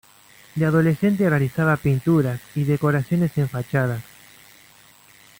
De adolescente, realizaba pinturas y decoraciones en fachadas.